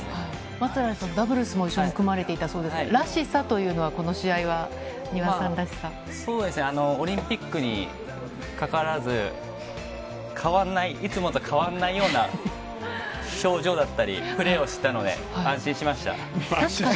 松平さん、ダブルスも一緒に組まれていたそうですが、らしさというのは、この試合は、丹羽さそうですね、オリンピックにかかわらず、変わらない、いつもと変わらないような表情だったりプレーをしてたので、確かに。